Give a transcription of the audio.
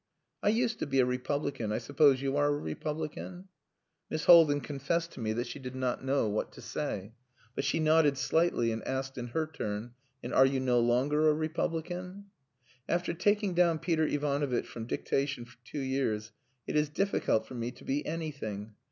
I used to be a Republican. I suppose you are a Republican?" Miss Haldin confessed to me that she did not know what to say. But she nodded slightly, and asked in her turn "And are you no longer a Republican?" "After taking down Peter Ivanovitch from dictation for two years, it is difficult for me to be anything.